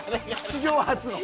史上初の。